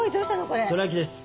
どら焼きです。